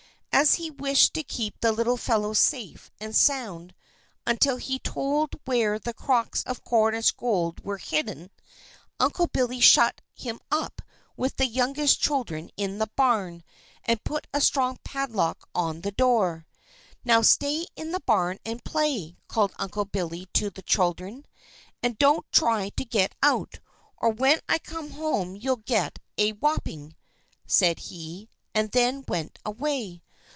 As he wished to keep the little fellow safe and sound until he told where the crocks of Cornish gold were hidden, Uncle Billy shut him up with the youngest children in the barn, and put a strong padlock on the door. "Now stay in the barn and play," called Uncle Billy to the children. "And don't try to get out, or when I come home you'll get a walloping," said he, and then went away.